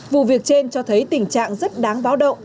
vụ việc trên cho thấy tình trạng rất đáng báo động